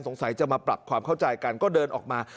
สงสัยจะมาปรับความเข้าใจกันก็เดินออกมา